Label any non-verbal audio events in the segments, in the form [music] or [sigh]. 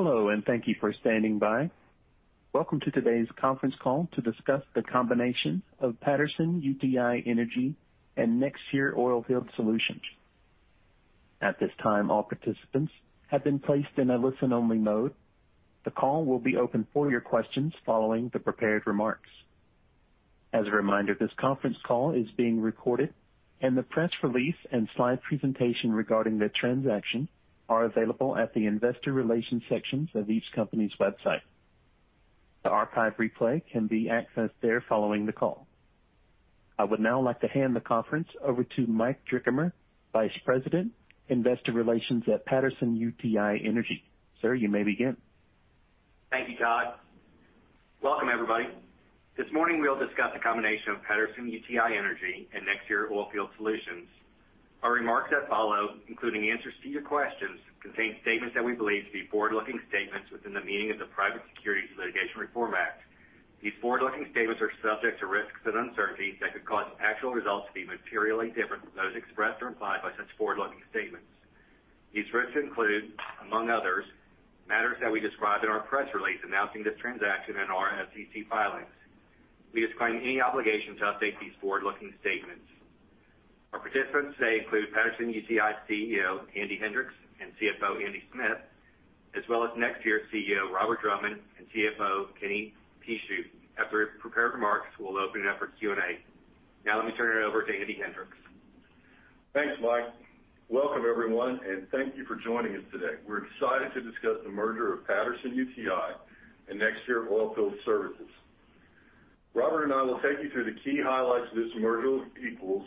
Hello, thank you for standing by. Welcome to today's conference call to discuss the combination of Patterson-UTI Energy and NexTier Oilfield Solutions. At this time, all participants have been placed in a listen-only mode. The call will be open for your questions following the prepared remarks. As a reminder, this conference call is being recorded, and the press release and slide presentation regarding the transaction are available at the investor relations sections of each company's website. The archive replay can be accessed there following the call. I would now like to hand the conference over to Mike Drickamer, Vice President, Investor Relations at Patterson-UTI Energy. Sir, you may begin. Thank you, Todd. Welcome, everybody. This morning, we'll discuss the combination of Patterson-UTI Energy and NexTier Oilfield Solutions. Our remarks that follow, including answers to your questions, contain statements that we believe to be forward-looking statements within the meaning of the Private Securities Litigation Reform Act. These forward-looking statements are subject to risks and uncertainties that could cause actual results to be materially different from those expressed or implied by such forward-looking statements. These risks include, among others, matters that we described in our press release, announcing this transaction and our SEC filings. We disclaim any obligation to update these forward-looking statements. Our participants today include Patterson-UTI CEO, Andy Hendricks, and CFO, Andy Smith, as well as NexTier CEO, Robert Drummond, and CFO, Kenny Pucheu. After prepared remarks, we'll open it up for Q&A. Let me turn it over to Andy Hendricks. Thanks, Mike. Welcome, everyone, and thank you for joining us today. We're excited to discuss the merger of Patterson-UTI and NexTier Oilfield Solutions. Robert and I will take you through the key highlights of this merger of equals,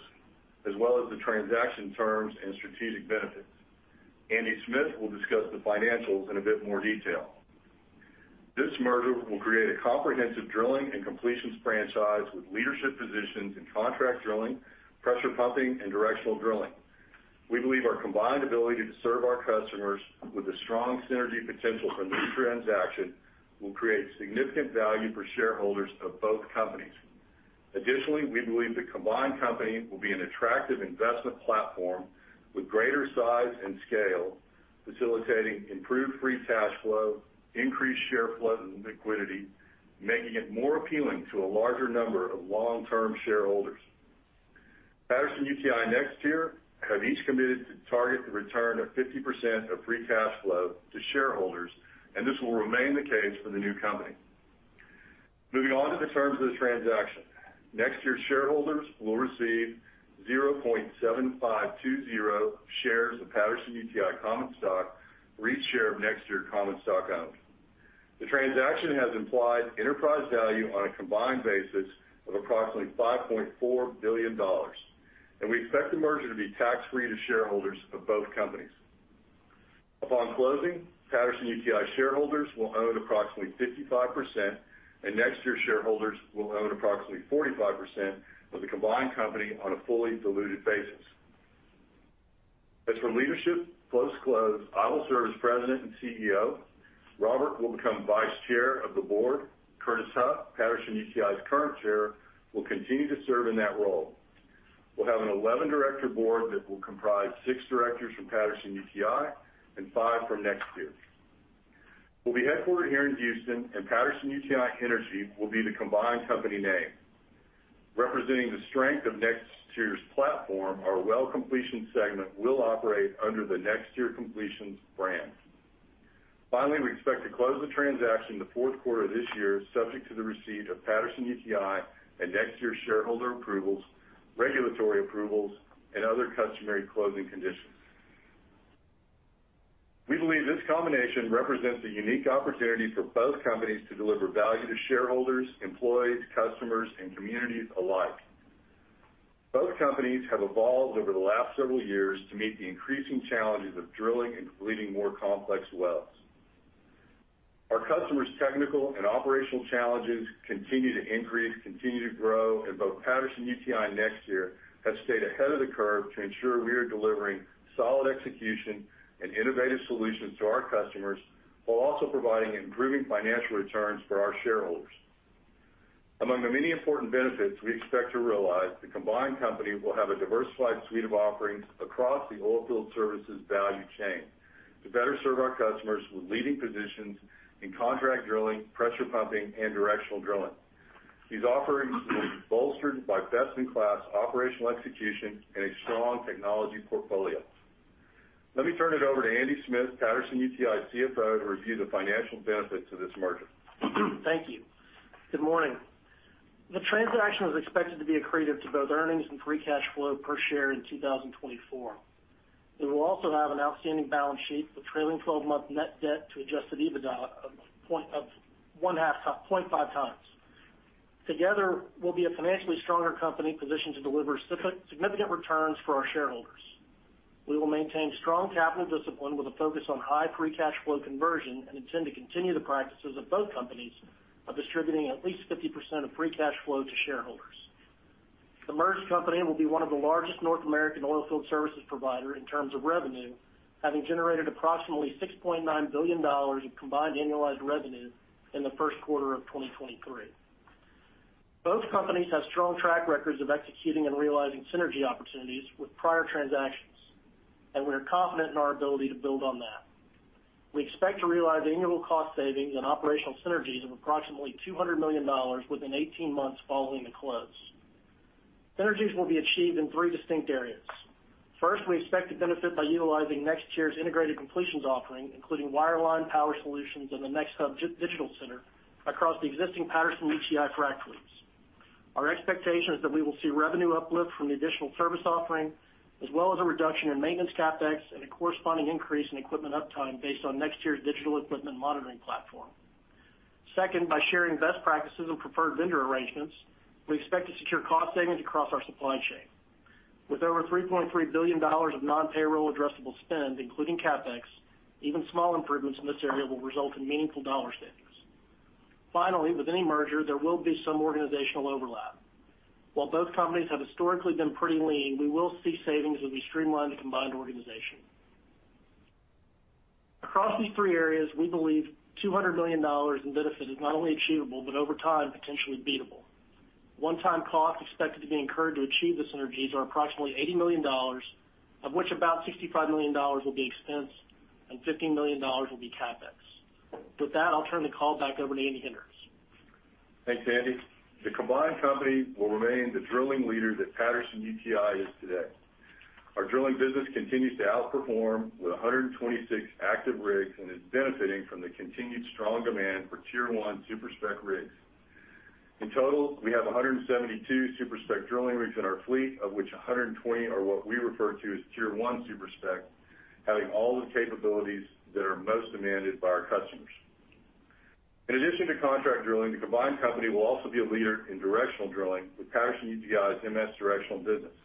as well as the transaction terms and strategic benefits. Andy Smith will discuss the financials in a bit more detail. This merger will create a comprehensive drilling and completions franchise with leadership positions in contract drilling, pressure pumping, and directional drilling. We believe our combined ability to serve our customers with a strong synergy potential from this transaction will create significant value for shareholders of both companies. Additionally, we believe the combined company will be an attractive investment platform with greater size and scale, facilitating improved free cash flow, increased share flow and liquidity, making it more appealing to a larger number of long-term shareholders. Patterson-UTI NexTier have each committed to target the return of 50% of free cash flow to shareholders. This will remain the case for the new company. Moving on to the terms of the transaction, NexTier shareholders will receive 0.7520 shares of Patterson-UTI common stock for each share of NexTier common stock owned. The transaction has implied enterprise value on a combined basis of approximately $5.4 billion, and we expect the merger to be tax-free to shareholders of both companies. Upon closing, Patterson-UTI shareholders will own approximately 55%, and NexTier shareholders will own approximately 45% of the combined company on a fully diluted basis. As for leadership, close, I will serve as President and CEO. Robert will become Vice Chair of the Board. Curtis Huff, Patterson-UTI's current chair, will continue to serve in that role. We'll have an 11-director board that will comprise six directors from Patterson-UTI and five from NexTier. We'll be headquartered here in Houston, and Patterson-UTI Energy will be the combined company name. Representing the strength of NexTier's platform, our well completion segment will operate under the NexTier Completions brand. Finally, we expect to close the transaction in the fourth quarter of this year, subject to the receipt of Patterson-UTI and NexTier shareholder approvals, regulatory approvals, and other customary closing conditions. We believe this combination represents a unique opportunity for both companies to deliver value to shareholders, employees, customers, and communities alike. Both companies have evolved over the last several years to meet the increasing challenges of drilling and completing more complex wells. Our customers' technical and operational challenges continue to increase, continue to grow, and both Patterson-UTI and NexTier have stayed ahead of the curve to ensure we are delivering solid execution and innovative solutions to our customers, while also providing improving financial returns for our shareholders. Among the many important benefits we expect to realize, the combined company will have a diversified suite of offerings across the oilfield services value chain to better serve our customers with leading positions in contract drilling, pressure pumping, and directional drilling. These offerings will be bolstered by best-in-class operational execution and a strong technology portfolio. Let me turn it over to Andy Smith, Patterson-UTI CFO, to review the financial benefits of this merger. Thank you. Good morning. The transaction is expected to be accretive to both earnings and free cash flow per share in 2024. It will also have an outstanding balance sheet with trailing 12-month net debt to adjusted EBITDA of 0.5 times. Together, we'll be a financially stronger company positioned to deliver significant returns for our shareholders. We will maintain strong capital discipline with a focus on high free cash flow conversion and intend to continue the practices of both companies of distributing at least 50% of free cash flow to shareholders. The merged company will be one of the largest North American oilfield services provider in terms of revenue, having generated approximately $6.9 billion in combined annualized revenue in the first quarter of 2023. Both companies have strong track records of executing and realizing synergy opportunities with prior transactions, we are confident in our ability to build on that. We expect to realize annual cost savings and operational synergies of approximately $200 million within 18 months following the close. Synergies will be achieved in three distinct areas. First, we expect to benefit by utilizing NexTier's integrated completions offering, including wireline power solutions and the NexHub Digital Center, across the existing Patterson-UTI frac fleets. Our expectation is that we will see revenue uplift from the additional service offering, as well as a reduction in maintenance CapEx and a corresponding increase in equipment uptime based on NexTier's digital equipment monitoring platform. Second, by sharing best practices and preferred vendor arrangements, we expect to secure cost savings across our supply chain. With over $3.3 billion of non-payroll addressable spend, including CapEx, even small improvements in this area will result in meaningful dollar savings. With any merger, there will be some organizational overlap. While both companies have historically been pretty lean, we will see savings as we streamline the combined organization. Across these three areas, we believe $200 million in benefit is not only achievable, but over time, potentially beatable. One-time costs expected to be incurred to achieve the synergies are approximately $80 million, of which about $65 million will be expense and $15 million will be CapEx. I'll turn the call back over to Andy Hendricks. Thanks, Andy. The combined company will remain the drilling leader that Patterson-UTI is today. Our drilling business continues to outperform with 126 active rigs, and is benefiting from the continued strong demand for Tier 1 super-spec rigs. In total, we have 172 super-spec drilling rigs in our fleet, of which 120 are what we refer to as Tier 1 super-spec, having all the capabilities that are most demanded by our customers. In addition to contract drilling, the combined company will also be a leader in directional drilling with Patterson-UTI's MS Directional business.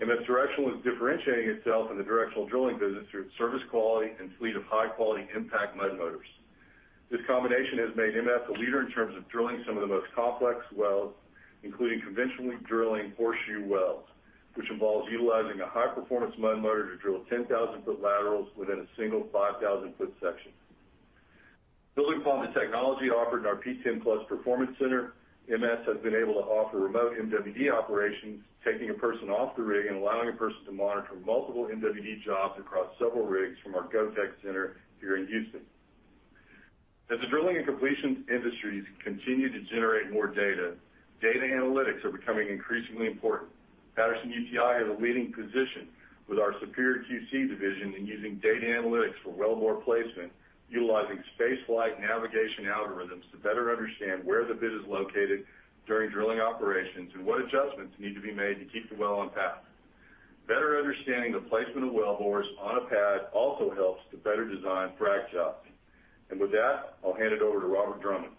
MS Directional is differentiating itself in the directional drilling business through service quality and fleet of high-quality impact mud motors. This combination has made MS a leader in terms of drilling some of the most complex wells, including conventionally drilling horseshoe wells, which involves utilizing a high-performance mud motor to drill 10,000 foot laterals within a single 5,000 foot section. Building upon the technology offered in our PTEN Digital Performance Center, MS has been able to offer remote MWD operations, taking a person off the rig and allowing a person to monitor multiple MWD jobs across several rigs from our NexHub Digital Center here in Houston. As the drilling and completion industries continue to generate more data analytics are becoming increasingly important. Patterson-UTI has a leading position with our Superior QC division in using data analytics for well bore placement, utilizing spaceflight navigation algorithms to better understand where the bit is located during drilling operations and what adjustments need to be made to keep the well on path. Better understanding the placement of wellbores on a pad also helps to better design frac jobs. With that, I'll hand it over to Robert Drummond.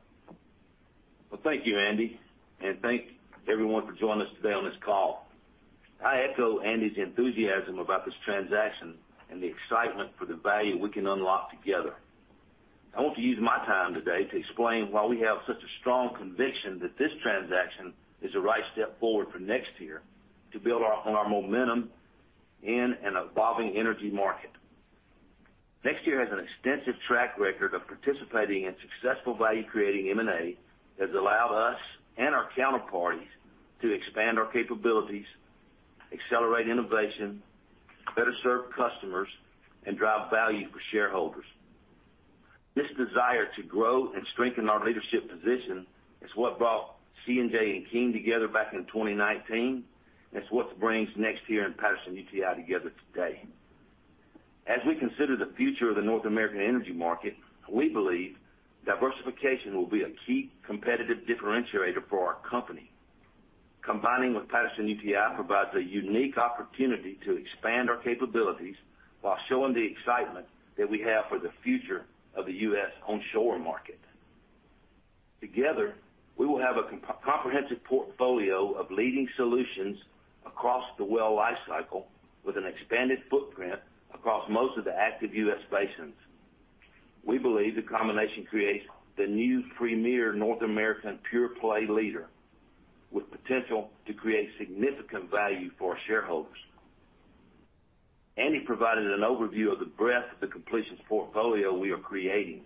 Well, thank you, Andy, and thank everyone for joining us today on this call. I echo Andy's enthusiasm about this transaction and the excitement for the value we can unlock together. I want to use my time today to explain why we have such a strong conviction that this transaction is the right step forward for NexTier to build on our momentum in an evolving energy market. NexTier has an extensive track record of participating in successful value-creating M&A that has allowed us and our counterparties to expand our capabilities, accelerate innovation, better serve customers, and drive value for shareholders. This desire to grow and strengthen our leadership position is what brought C&J and Keane together back in 2019, and it's what brings NexTier and Patterson-UTI together today. As we consider the future of the North American energy market, we believe diversification will be a key competitive differentiator for our company. Combining with Patterson-UTI provides a unique opportunity to expand our capabilities while showing the excitement that we have for the future of the U.S. onshore market. Together, we will have a comprehensive portfolio of leading solutions across the well life cycle, with an expanded footprint across most of the active U.S. basins. We believe the combination creates the new premier North American pure-play leader, with potential to create significant value for our shareholders. Andy provided an overview of the breadth of the completions portfolio we are creating.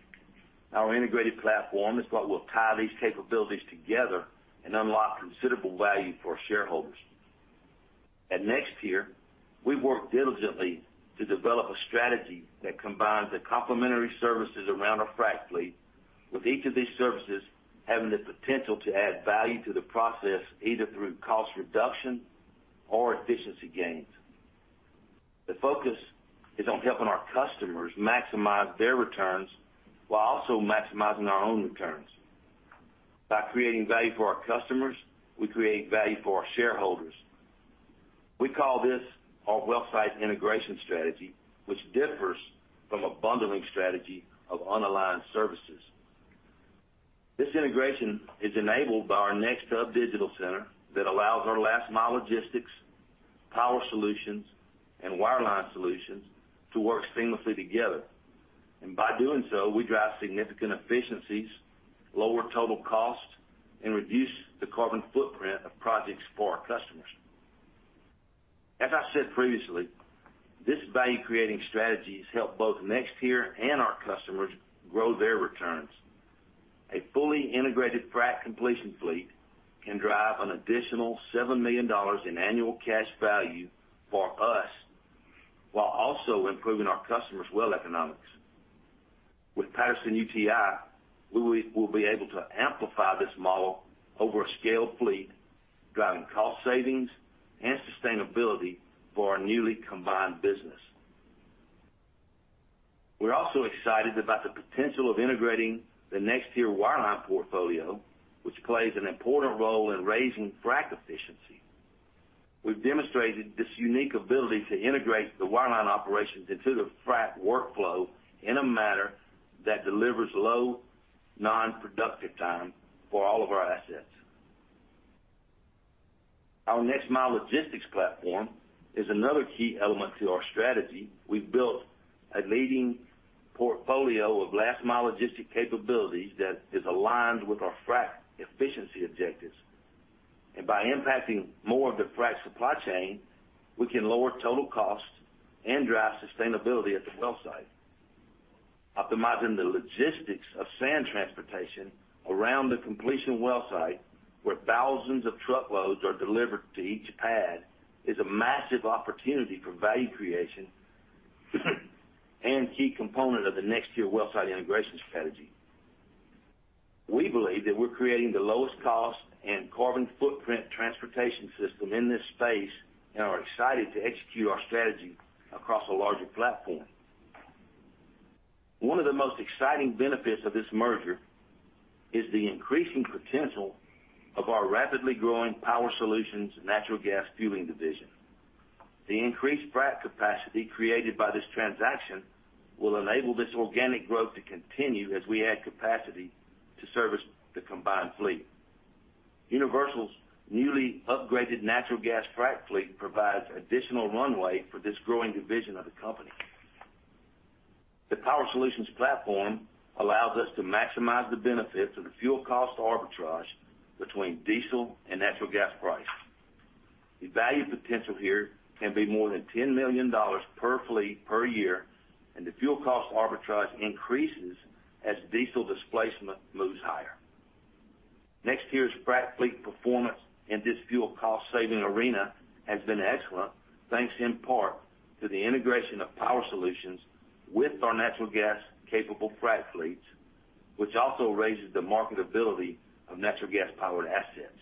Our integrated platform is what will tie these capabilities together and unlock considerable value for our shareholders. At NexTier, we work diligently to develop a strategy that combines the complementary services around our frac fleet, with each of these services having the potential to add value to the process, either through cost reduction or efficiency gains. The focus is on helping our customers maximize their returns while also maximizing our own returns. By creating value for our customers, we create value for our shareholders. We call this our well site integration strategy, which differs from a bundling strategy of unaligned services. This integration is enabled by our NexHub Digital Center that allows our last-mile logistics, power solutions, and wireline solutions to work seamlessly together. By doing so, we drive significant efficiencies, lower total cost, and reduce the carbon footprint of projects for our customers. As I said previously, this value-creating strategy has helped both NexTier and our customers grow their returns. A fully integrated frac completion fleet can drive an additional $7 million in annual cash value for us, while also improving our customers' well economics. With Patterson-UTI, we will be able to amplify this model over a scaled fleet, driving cost savings and sustainability for our newly combined business. We're also excited about the potential of integrating the NexTier wireline portfolio, which plays an important role in raising frac efficiency. We've demonstrated this unique ability to integrate the wireline operations into the frac workflow in a manner that delivers low, non-productive time for all of our assets. Our NexMile Logistics platform is another key element to our strategy. We've built a leading portfolio of last-mile logistic capabilities that is aligned with our frac efficiency objectives. By impacting more of the frac supply chain, we can lower total costs and drive sustainability at the well site. Optimizing the logistics of sand transportation around the completion well site, where thousands of truckloads are delivered to each pad, is a massive opportunity for value creation, and key component of the NexTier well site integration strategy. We believe that we're creating the lowest cost and carbon footprint transportation system in this space, and are excited to execute our strategy across a larger platform. One of the most exciting benefits of this merger is the increasing potential of our rapidly growing power solutions and natural gas fueling division. The increased frac capacity created by this transaction will enable this organic growth to continue as we add capacity to service the combined fleet. Universal's newly upgraded natural gas frac fleet provides additional runway for this growing division of the company. The power solutions platform allows us to maximize the benefits of the fuel cost arbitrage between diesel and natural gas prices. The value potential here can be more than $10 million per fleet per year, and the fuel cost arbitrage increases as diesel displacement moves higher. NexTier's frac fleet performance in this fuel cost-saving arena has been excellent, thanks in part to the integration of power solutions with our natural gas-capable frac fleets, which also raises the marketability of natural gas-powered assets.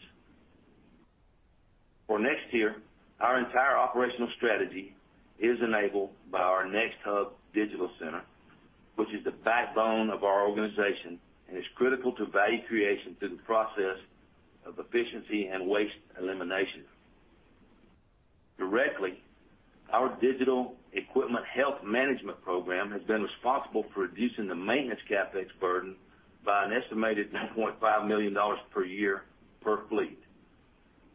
For NexTier, our entire operational strategy is enabled by our NexHub Digital Center, which is the backbone of our organization, and is critical to value creation through the process of efficiency and waste elimination. Directly, our digital equipment health management program has been responsible for reducing the maintenance CapEx burden by an estimated $9.5 million per year, per fleet.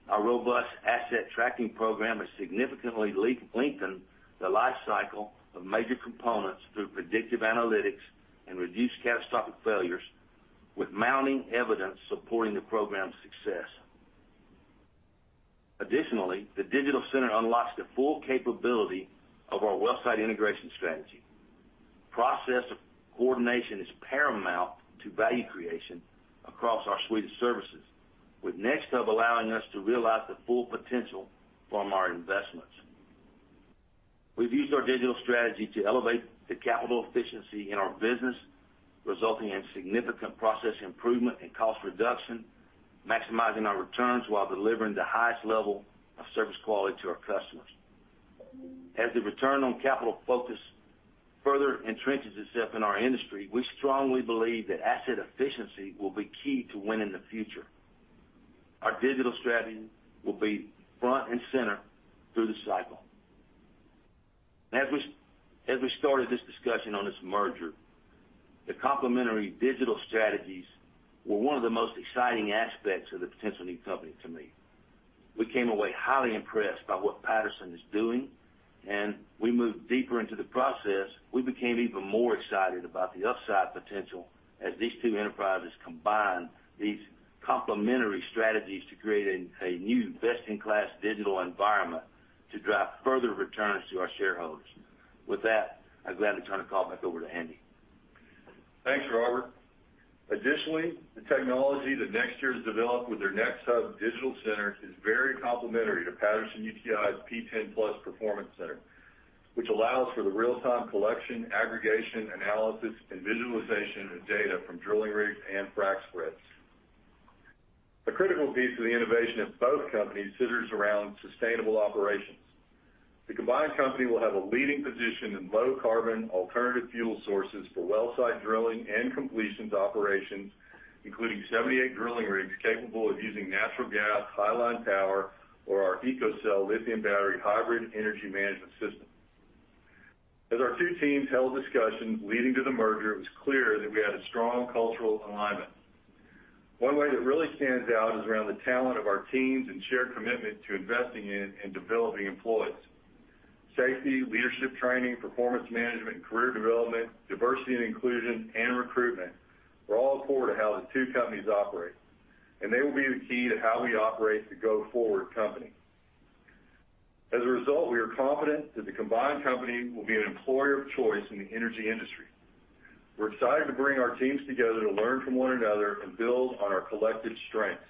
Our robust asset tracking program has significantly lengthened the life cycle of major components through predictive analytics and reduced catastrophic failures, with mounting evidence supporting the program's success. Additionally, the Digital Center unlocks the full capability of our wellsite integration strategy. Process coordination is paramount to value creation across our suite of services, with NexHub allowing us to realize the full potential from our investments. We've used our digital strategy to elevate the capital efficiency in our business, resulting in significant process improvement and cost reduction, maximizing our returns while delivering the highest level of service quality to our customers. As the return on capital focus further entrenches itself in our industry, we strongly believe that asset efficiency will be key to winning the future. Our digital strategy will be front and center through the cycle. As we started this discussion on this merger, the complementary digital strategies were one of the most exciting aspects of the potential new company to me. We came away highly impressed by what Patterson is doing, and as we moved deeper into the process, we became even more excited about the upside potential as these two enterprises combine these complementary strategies to create a new best-in-class digital environment to drive further returns to our shareholders. With that, I'd gladly turn the call back over to Andy. Thanks, Robert. Additionally, the technology that NexTier has developed with their NexHub Digital Center is very complementary to Patterson-UTI's PTEN Digital Performance Center, which allows for the real-time collection, aggregation, analysis, and visualization of data from drilling rigs and frac spreads. A critical piece of the innovation of both companies centers around sustainable operations. The combined company will have a leading position in low-carbon, alternative fuel sources for wellsite drilling and completions operations, including 78 drilling rigs capable of using natural gas, high-line power, or our EcoCell lithium battery hybrid energy management system. As our two teams held discussions leading to the merger, it was clear that we had a strong cultural alignment. One way that really stands out is around the talent of our teams and shared commitment to investing in and developing employees. Safety, leadership training, performance management, career development, diversity and inclusion, and recruitment are all core to how the two companies operate, and they will be the key to how we operate the go-forward company. As a result, we are confident that the combined company will be an employer of choice in the energy industry. We're excited to bring our teams together to learn from one another and build on our collective strengths.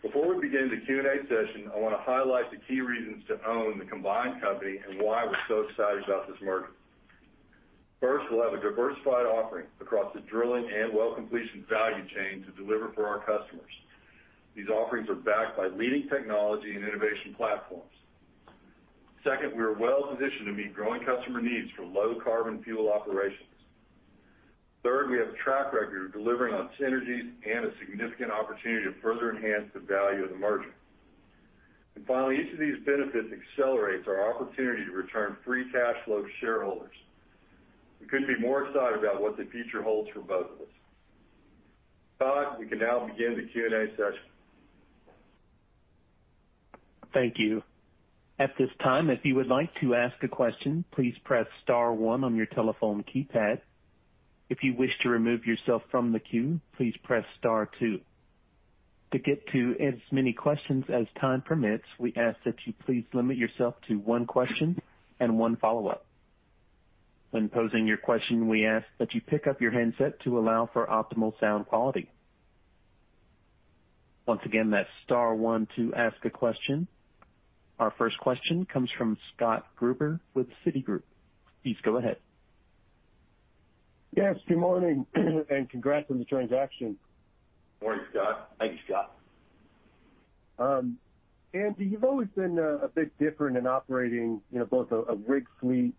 Before we begin the Q&A session, I wanna highlight the key reasons to own the combined company and why we're so excited about this merger. First, we'll have a diversified offering across the drilling and well completion value chain to deliver for our customers. These offerings are backed by leading technology and innovation platforms. Second, we are well positioned to meet growing customer needs for low carbon fuel operations. Third, we have a track record of delivering on synergies and a significant opportunity to further enhance the value of the merger. Finally, each of these benefits accelerates our opportunity to return free cash flow to shareholders. We couldn't be more excited about what the future holds for both of us. Todd, we can now begin the Q&A session. Thank you. At this time, if you would like to ask a question, please press star one on your telephone keypad. If you wish to remove yourself from the queue, please press star two. To get to as many questions as time permits, we ask that you please limit yourself to one question and one follow-up. When posing your question, we ask that you pick up your handset to allow for optimal sound quality. Once again, that's star one to ask a question. Our first question comes from Scott Gruber with Citigroup. Please go ahead. Yes, good morning, and congrats on the transaction. Morning, Scott. Thank you, Scott. Andy, you've always been, you know, a bit different in operating, you know, both a rig fleet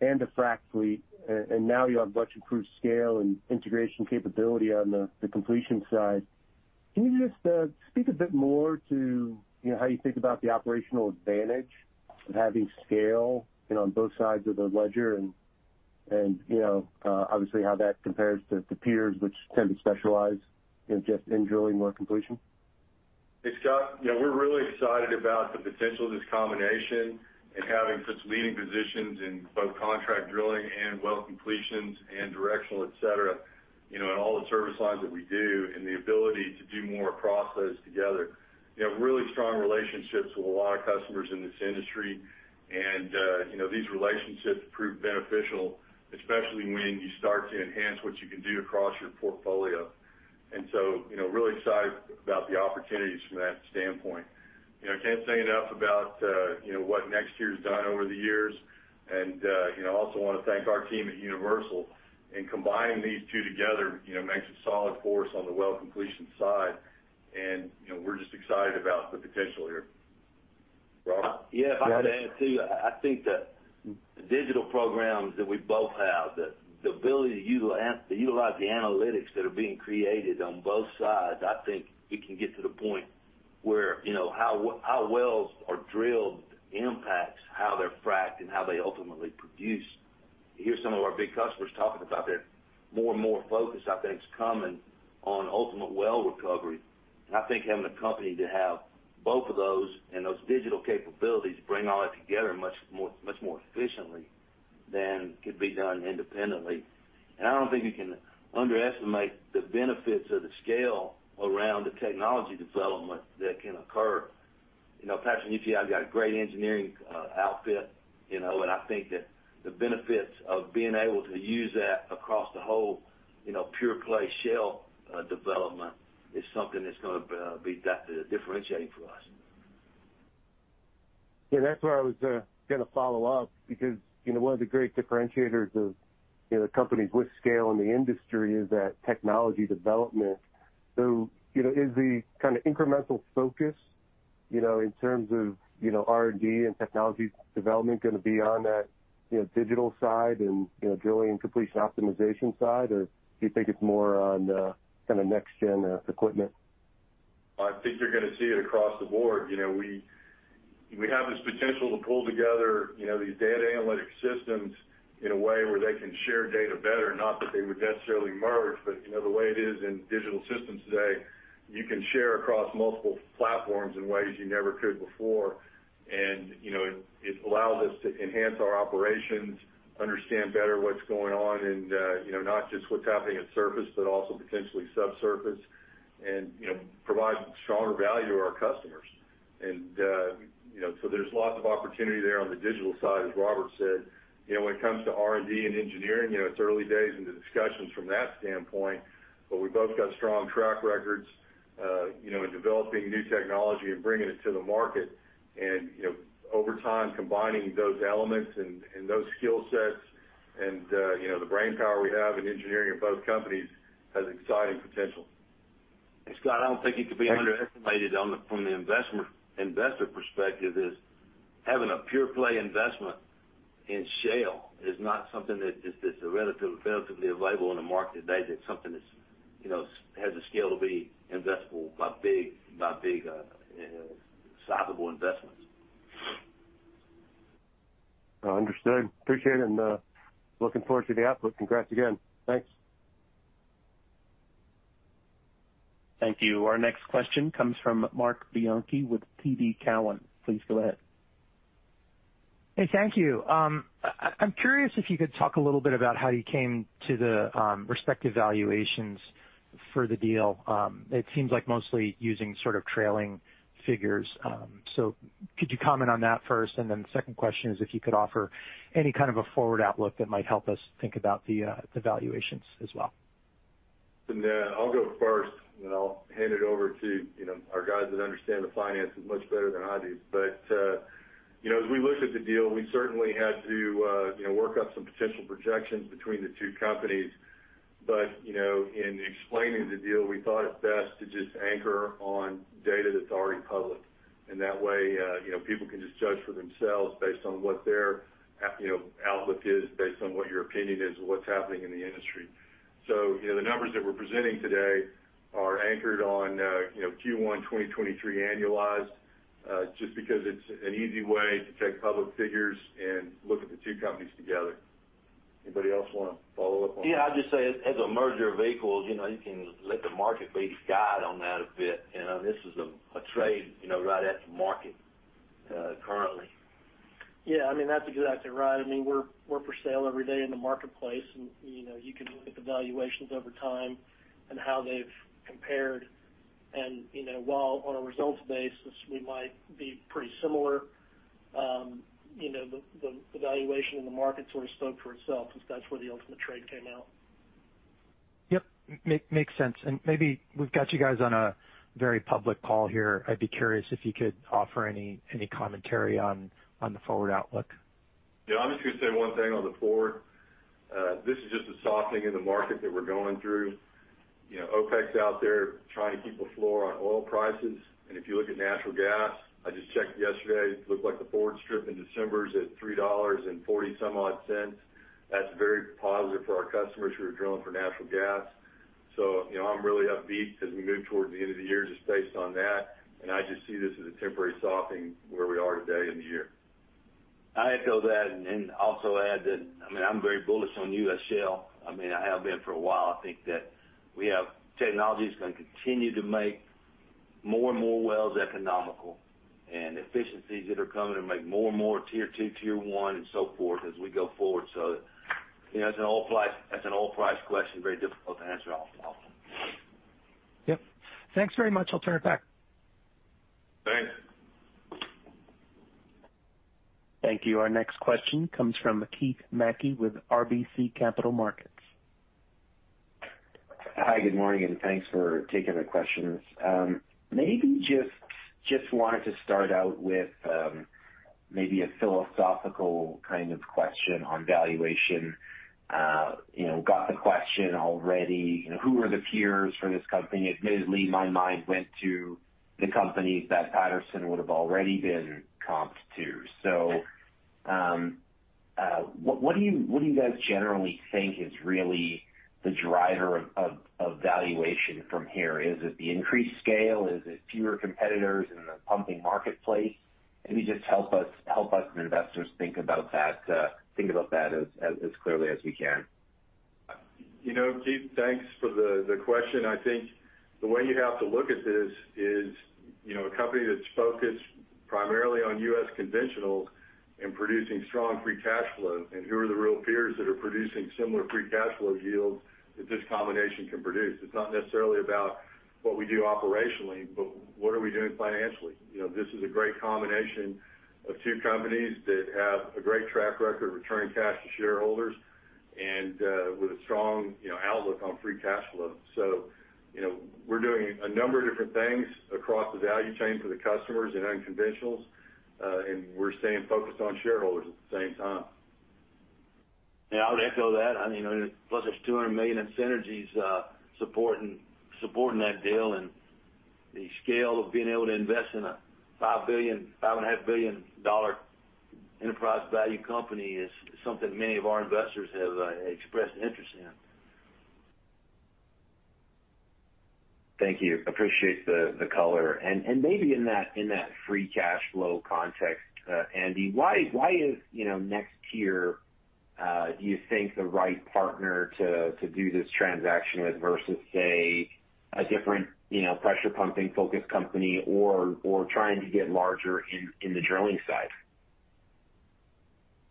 and a frac fleet, and now you have much improved scale and integration capability on the completion side. Can you just speak a bit more to, you know, how you think about the operational advantage of having scale, you know, on both sides of the ledger and, you know, obviously, how that compares to peers, which tend to specialize in just in drilling or completion? Hey, Scott. Yeah, we're really excited about the potential of this combination and having such leading positions in both contract drilling and well completions and directional, et cetera, you know, and all the service lines that we do, and the ability to do more across those together. We have really strong relationships with a lot of customers in this industry, and, you know, these relationships prove beneficial, especially when you start to enhance what you can do across your portfolio. So, you know, really excited about the opportunities from that standpoint. You know, I can't say enough about, you know, what NexTier's done over the years, and, you know, I also wanna thank our team at Universal. Combining these two together, you know, makes a solid force on the well completion side, and, you know, we're just excited about the potential here. Robert? Yeah, if I could add, too, I think that the digital programs that we both have, the ability to utilize the analytics that are being created on both sides, I think it can get to the point where, you know, how wells are drilled impacts how they're fracked and how they ultimately produce. You hear some of our big customers talking about that. More and more focus, I think, is coming on ultimate well recovery, and I think having a company to have both of those and those digital capabilities bring all that together much more, much more efficiently than could be done independently. I don't think you can underestimate the benefits of the scale around the technology development that can occur. You know, Patrick, you see I've got a great engineering outfit, you know, and I think that the benefits of being able to use that across the whole, you know, pure play shale development is something that's gonna be definitely differentiating for us. That's where I was, gonna follow up, because, you know, one of the great differentiators of, you know, companies with scale in the industry is that technology development. You know, is the kind of incremental focus, you know, in terms of, you know, R&D and technology development gonna be on that, you know, digital side and, you know, drilling completion optimization side, or do you think it's more on the kind of next gen, equipment? I think you're gonna see it across the board. You know, we have this potential to pull together, you know, these data analytic systems in a way where they can share data better, not that they would necessarily merge, but, you know, the way it is in digital systems today, you can share across multiple platforms in ways you never could before. You know, it allows us to enhance our operations, understand better what's going on, and, you know, not just what's happening at surface, but also potentially subsurface, and, you know, provide stronger value to our customers. You know, so there's lots of opportunity there on the digital side, as Robert said. You know, when it comes to R&D and engineering, you know, it's early days into discussions from that standpoint, but we've both got strong track records, you know, in developing new technology and bringing it to the market. You know, over time, combining those elements and those skill sets and, you know, the brainpower we have in engineering of both companies has exciting potential. Scott, I don't think it could be underestimated from the investor perspective, is having a pure play investment in shale is not something that is relatively available in the market today. That's something that's, you know, has the scale to be investable by big, sizable investments. Understood. Appreciate it, and looking forward to the output. Congrats again. Thanks. Thank you. Our next question comes from Marc Bianchi with TD Cowen. Please go ahead. Hey, thank you. I'm curious if you could talk a little bit about how you came to the respective valuations for the deal. It seems like mostly using sort of trailing figures. Could you comment on that first? The second question is if you could offer any kind of a forward outlook that might help us think about the valuations as well. I'll go first, then I'll hand it over to, you know, our guys that understand the finances much better than I do. As we looked at the deal, we certainly had to, you know, work up some potential projections between the two companies. In explaining the deal, we thought it best to just anchor on data that's already public. That way, you know, people can just judge for themselves based on what their, you know, outlook is, based on what your opinion is of what's happening in the industry. The numbers that we're presenting today are anchored on, you know, Q1 2023 annualized, just because it's an easy way to take public figures and look at the two companies together. Anybody else want to follow up on that? Yeah, I'd just say, as a merger of equals, you know, you can let the market be your guide on that a bit. You know, this is a trade, you know, right at the market currently. Yeah, I mean, that's exactly right. I mean, we're for sale every day in the marketplace, you know, you can look at the valuations over time and how they've compared. You know, while on a results basis, we might be pretty similar, you know, the valuation in the market sort of spoke for itself, since that's where the ultimate trade came out. Yep, makes sense. Maybe we've got you guys on a very public call here. I'd be curious if you could offer any commentary on the forward outlook. Yeah, I'm just gonna say one thing on the forward. This is just a softening in the market that we're going through. You know, OPEC's out there trying to keep a floor on oil prices, and if you look at natural gas, I just checked yesterday, it looked like the forward strip in December is at three dollars and forty some odd cents. That's very positive for our customers who are drilling for natural gas. You know, I'm really upbeat as we move toward the end of the year, just based on that, and I just see this as a temporary softening where we are today in the year. I echo that, and also add that, I mean, I'm very bullish on U.S. shale. I mean, I have been for a while. I think that we have technology that's gonna continue to make more and more wells economical and efficiencies that are coming to make more and more Tier 2, Tier 1, and so forth as we go forward. You know, that's an oil price question, very difficult to answer otherwise. Yep. Thanks very much. I'll turn it back. Thanks. Thank you. Our next question comes from Keith Mackey with RBC Capital Markets. Hi, good morning, thanks for taking the questions. Maybe just wanted to start out with maybe a philosophical kind of question on valuation. You know, got the question already, you know, who are the peers for this company? Admittedly, my mind went to the companies that Patterson would've already been comped to. What do you guys generally think is really the driver of valuation from here? Is it the increased scale? Is it fewer competitors in the pumping marketplace? Maybe just help us investors think about that, think about that as clearly as we can. You know, Keith, thanks for the question. I think the way you have to look at this is, you know, a company that's focused primarily on U.S. conventional and producing strong free cash flow, and who are the real peers that are producing similar free cash flow yields that this combination can produce? It's not necessarily about what we do operationally, but what are we doing financially? You know, this is a great combination of two companies that have a great track record of returning cash to shareholders and with a strong, you know, outlook on free cash flow. You know, we're doing a number of different things across the value chain for the customers in unconventionals and we're staying focused on shareholders at the same time. Yeah, I would echo that. I mean, plus there's $200 million in synergies supporting that deal, and the scale of being able to invest in a $5 billion-$5.5 billion enterprise value company is something many of our investors have expressed interest in. Thank you. Appreciate the color. Maybe in that free cash flow context, Andy, why is, you know, NexTier, do you think, the right partner to do this transaction with versus, say, a different, you know, pressure pumping-focused company or trying to get larger in the drilling side?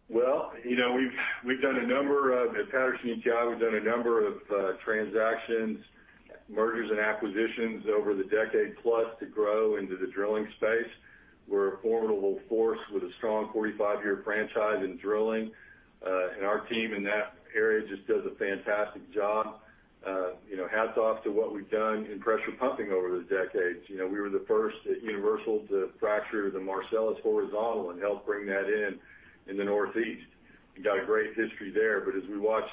Well, you know, we've done a number of at Patterson-UTI, we've done a number of transactions, mergers and acquisitions over the decade plus to grow into the drilling space. We're a formidable force with a strong 45-year franchise in drilling, and our team in that area just does a fantastic job. You know, hats off to what we've done in pressure pumping over the decades. You know, we were the first at Universal to fracture the Marcellus horizontal and helped bring that in the Northeast and got a great history there. As we watch,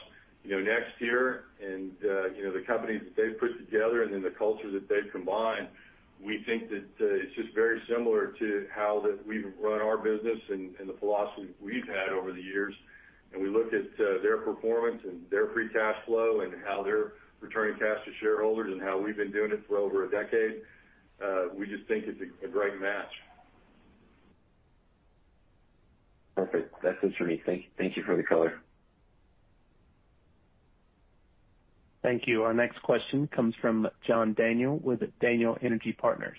you know, NexTier and, you know, the companies that they've put together and then the culture that they've combined, we think that, it's just very similar to how that we've run our business and the philosophy we've had over the years. We looked at their performance and their free cash flow and how they're returning cash to shareholders and how we've been doing it for over a decade. We just think it's a great match. Perfect. That's it for me. Thank you for the color. Thank you. Our next question comes from John Daniel with Daniel Energy Partners.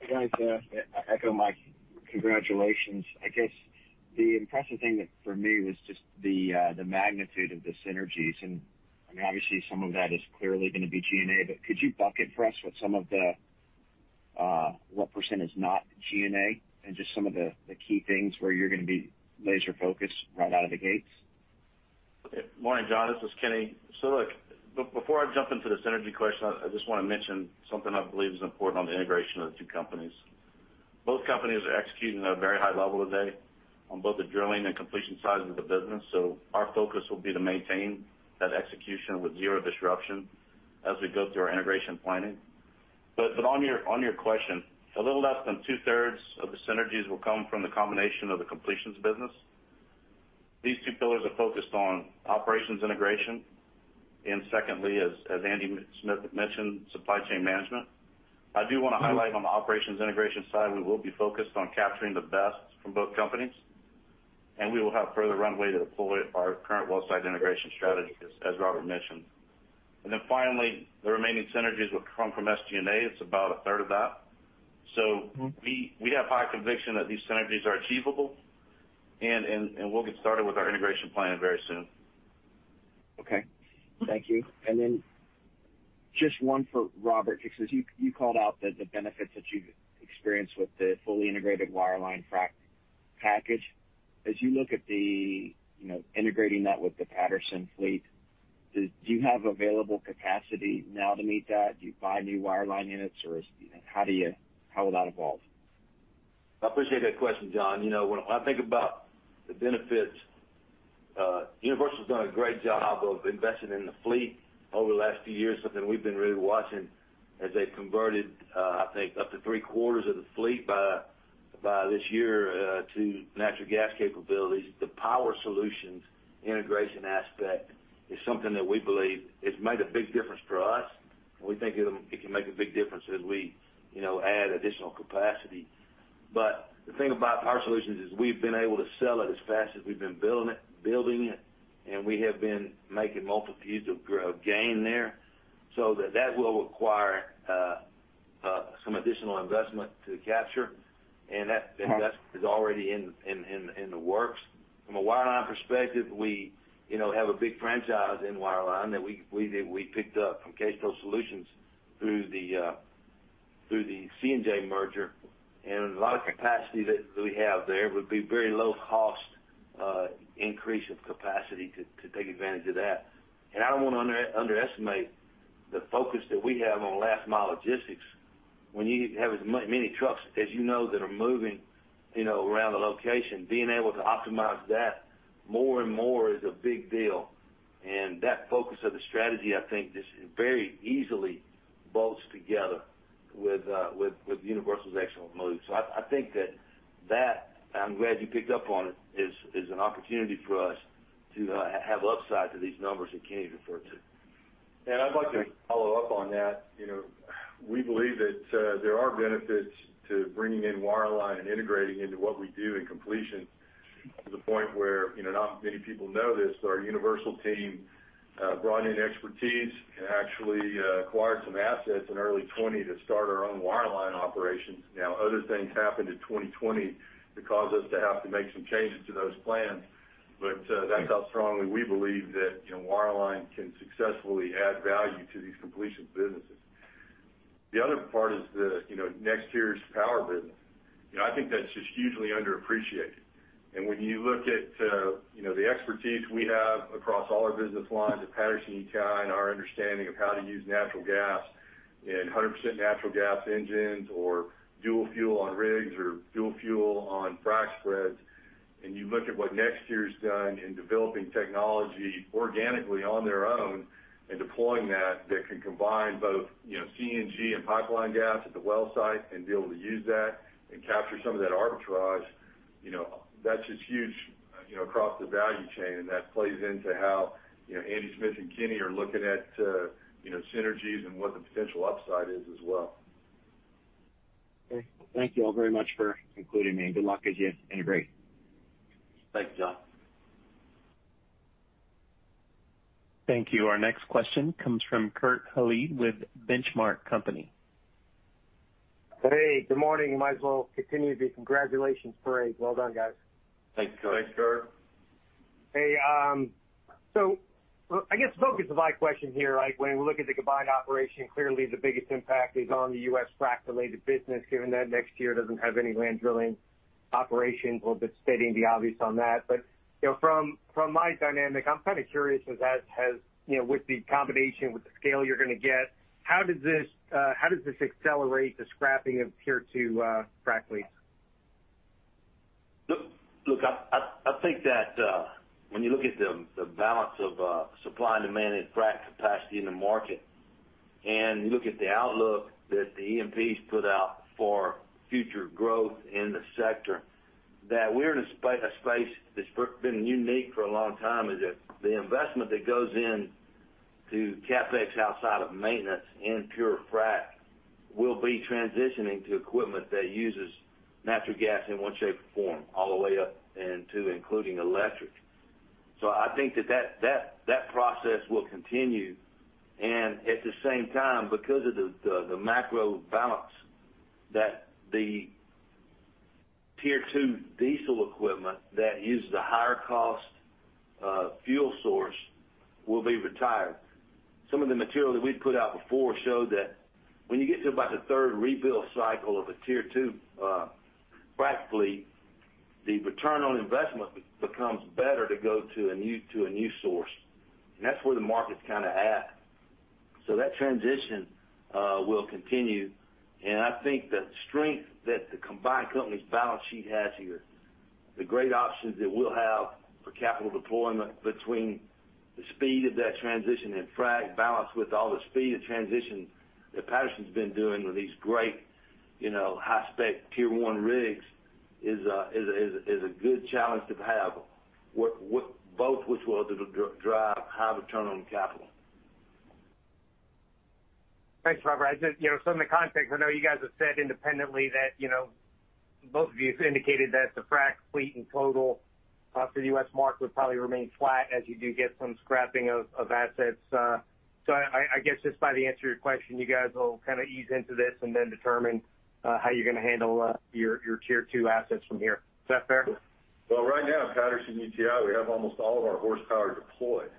Hey, guys, I echo my congratulations. I guess the impressive thing that for me was just the magnitude of the synergies. I mean, obviously, some of that is clearly gonna be G&A, but could you bucket for us what some of the, what % is not G&A, and just some of the key things where you're gonna be laser focused right out of the gates? Okay. Morning, John, this is Kenny. Look, before I jump into the synergy question, I just wanna mention something I believe is important on the integration of the two companies. Both companies are executing at a very high level today on both the drilling and completion sides of the business, our focus will be to maintain that execution with zero disruption as we go through our integration planning. On your question, a little less than 2/3 of the synergies will come from the combination of the completions business. These two pillars are focused on operations integration, secondly, as Andy Smith mentioned, supply chain management. I do wanna highlight on the operations integration side, we will be focused on capturing the best from both companies, and we will have further runway to deploy our current well site integration strategy, as Robert mentioned. Finally, the remaining synergies will come from SG&A. It's about a third of that. We have high conviction that these synergies are achievable, and we'll get started with our integration plan very soon. Just one for Robert, because you called out the benefits that you have experienced with the fully integrated wireline frac package. As you look at the, you know, integrating that with the Patterson fleet, do you have available capacity now to meet that? Do you buy new wireline units, or how will that evolve? I appreciate that question, John. You know, when I think about the benefits, Universal's done a great job of investing in the fleet over the last few years, something we've been really watching as they've converted, I think, up to three-quarters of the fleet by this year, to natural gas capabilities. The power solutions integration aspect is something that we believe it's made a big difference for us, and we think it can make a big difference as we, you know, add additional capacity. The thing about power solutions is we've been able to sell it as fast as we've been building it, and we have been making multitudes of gain there. That will require some additional investment to capture, and that investment is already in the works. From a wireline perspective, we, you know, have a big franchise in wireline that we picked up from Cased-Hole Solutions through the C&J merger. A lot of capacity that we have there would be very low cost increase of capacity to take advantage of that. I don't want to underestimate the focus that we have on last-mile logistics. When you have as many trucks as you know that are moving, you know, around the location, being able to optimize that more and more is a big deal. That focus of the strategy, I think, just very easily bolts together with Universal's excellent moves. I think that, I'm glad you picked up on it, is an opportunity for us to have upside to these numbers that Kenny referred to. I'd like to follow up on that. You know, we believe that there are benefits to bringing in wireline and integrating into what we do in completion, to the point where, you know, not many people know this, but our Universal team brought in expertise and actually acquired some assets in early 2020 to start our own wireline operations. Other things happened in 2020 that caused us to have to make some changes to those plans, but that's how strongly we believe that, you know, wireline can successfully add value to these completion businesses. The other part is the, you know, NexTier's power business. You know, I think that's just hugely underappreciated. When you look at, you know, the expertise we have across all our business lines at Patterson-UTI and our understanding of how to use natural gas in 100% natural gas engines or dual fuel on rigs or dual fuel on frac spreads, and you look at what NexTier's done in developing technology organically on their own and deploying that can combine both, you know, CNG and pipeline gas at the well site and be able to use that and capture some of that arbitrage, you know, that's just huge, you know, across the value chain, and that plays into how, you know, Andy Smith and Kenny are looking at, you know, synergies and what the potential upside is as well. Okay. Thank you all very much for including me, and good luck as you integrate. Thanks, John. Thank you. Our next question comes from Kurt Hallead with The Benchmark Company. Hey, good morning. Might as well continue the congratulations parade. Well done, guys. Thanks, Kurt. Thanks, Kurt. Hey, I guess the focus of my question here, like, when we look at the combined operation, clearly the biggest impact is on the U.S. frac-related business, given that NexTier doesn't have any land drilling operations. We'll be stating the obvious on that. You know, from my dynamic, I'm kind of curious as, you know, with the combination, with the scale you're gonna get, how does this accelerate the scrapping of Tier 2 frac fleet? Look, I think that when you look at the balance of supply and demand and frac capacity in the market, and you look at the outlook that the E&Ps put out for future growth in the sector, that we're in a space that's been unique for a long time, is that the investment that goes into CapEx outside of maintenance and pure frac will be transitioning to equipment that uses natural gas in one shape or form, all the way up into including electric. I think that process will continue, and at the same time, because of the macro balance, that the Tier 2 diesel equipment that uses the higher cost fuel source will be retired. Some of the material that we've put out before showed that when you get to about the 3rd rebuild cycle of a Tier 2, practically, the return on investment becomes better to go to a new, to a new source, and that's where the market's kind of at. That transition will continue, and I think the strength that the combined company's balance sheet has here, the great options that we'll have for capital deployment between the speed of that transition and frac balance with all the speed of transition that Patterson's been doing with these great, you know, high-spec Tier 1 rigs, is a good challenge to have. Both which will drive high return on capital Thanks, Robert. I just, you know, some of the context, I know you guys have said independently that, you know, both of you have indicated that the frac fleet in total for the U.S. market would probably remain flat as you do get some scrapping of assets. I guess just by the answer to your question, you guys will kind of ease into this and then determine how you're gonna handle your Tier 2 assets from here. Is that fair? Right now, at Patterson-UTI, we have almost all of our horsepower deployed.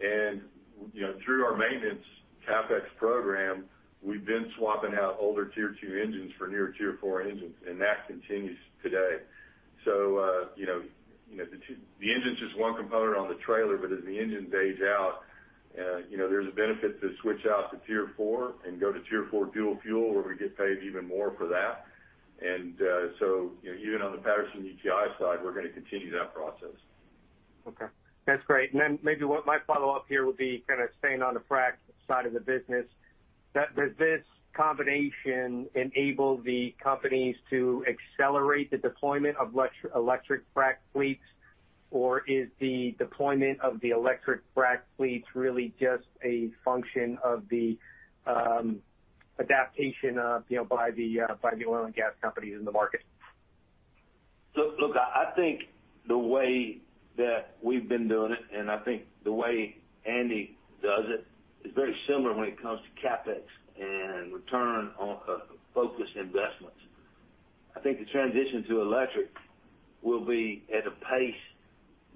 You know, through our maintenance CapEx program, we've been swapping out older Tier 2 engines for newer Tier 4 engines, and that continues today. You know, The engine's just one component on the trailer, but as the engine ages out, you know, there's a benefit to switch out to Tier 4 and go to Tier 4 dual-fuel, where we get paid even more for that. You know, even on the Patterson-UTI side, we're gonna continue that process. Okay. That's great. Maybe what my follow-up here would be, kind of staying on the frac side of the business, does this combination enable the companies to accelerate the deployment of electric frac fleets? Is the deployment of the electric frac fleets really just a function of the adaptation of, you know, by the oil and gas companies in the market? Look, I think the way that we've been doing it, and I think the way Andy does it, is very similar when it comes to CapEx and return on focused investments. I think the transition to electric will be at a pace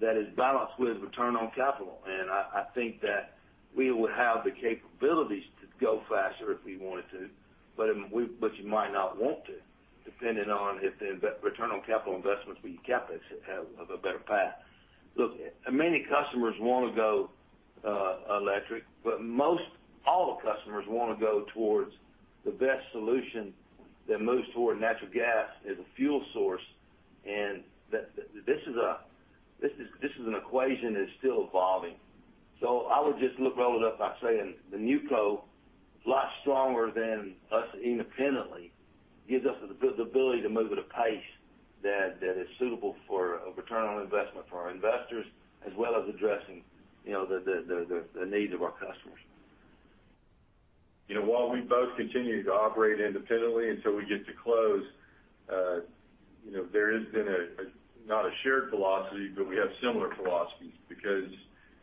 that is balanced with return on capital, and I think that we would have the capabilities to go faster if we wanted to, but you might not want to, depending on if the return on capital investments with CapEx have a better path. Look, many customers wanna go electric, but most all the customers wanna go towards the best solution that moves toward natural gas as a fuel source, and that, this is an equation that's still evolving. I would just look roll it up by saying, the newco, a lot stronger than us independently, gives us the ability to move at a pace that is suitable for a return on investment for our investors, as well as addressing, you know, the needs of our customers. You know, while we both continue to operate independently until we get to close, you know, there has been a not a shared philosophy, but we have similar philosophies because.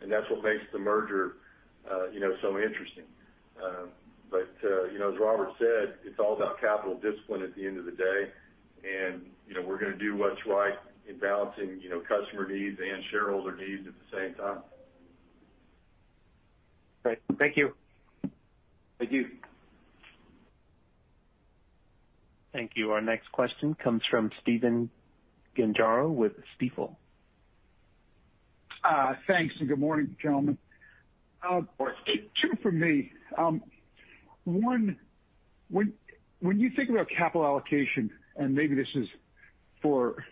That's what makes the merger, you know, so interesting. You know, as Robert said, it's all about capital discipline at the end of the day, and, you know, we're gonna do what's right in balancing, you know, customer needs and shareholder needs at the same time. Great. Thank you. Thank you. Thank you. Our next question comes from Stephen Gengaro with Stifel. Thanks, good morning, gentlemen. Two from me. one, when you think about capital allocation, and maybe this is for,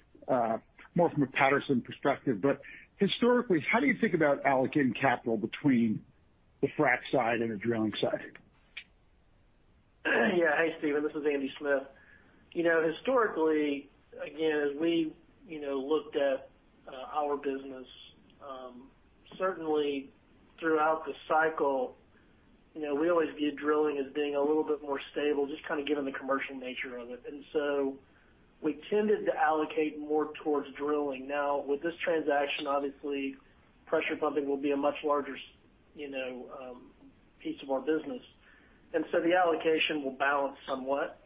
more from a Patterson perspective, but historically, how do you think about allocating capital between the frac side and the drilling side? Yeah. Hi, Stephen, this is Andy Smith. You know, historically, again, as we, you know, looked at our business, certainly throughout the cycle, you know, we always view drilling as being a little bit more stable, just kind of given the commercial nature of it, and so we tended to allocate more towards drilling. Now, with this transaction, obviously, pressure pumping will be a much larger, you know, piece of our business, and so the allocation will balance somewhat.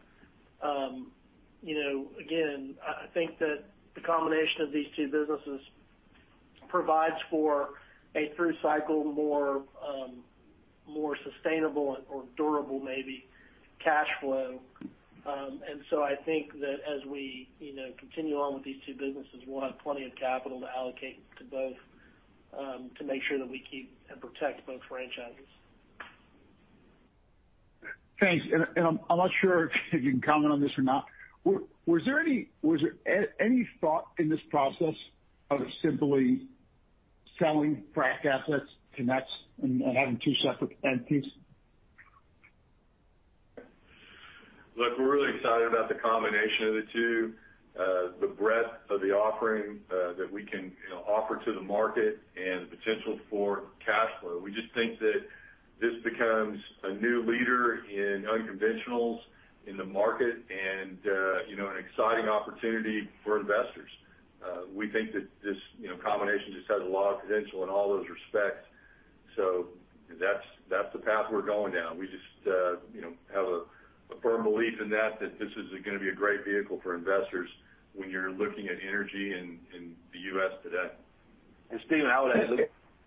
You know, again, I think that the combination of these two businesses provides for a through-cycle, more sustainable or durable, maybe, cash flow. I think that as we, you know, continue on with these two businesses, we'll have plenty of capital to allocate to both, to make sure that we keep and protect both franchises. Thanks. I'm not sure if you can comment on this or not. Was there any thought in this process of simply selling frac assets NexTier and having two separate entities? Look, we're really excited about the combination of the two, the breadth of the offering, that we can, you know, offer to the market and the potential for cash flow. We just think that this becomes a new leader in unconventionals in the market and, you know, an exciting opportunity for investors. We think that this, you know, combination just has a lot of potential in all those respects, so that's the path we're going down. We just, you know, have a firm belief in that this is gonna be a great vehicle for investors when you're looking at energy in the U.S. today. Stephen, I would add,